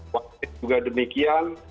waktunya juga demikian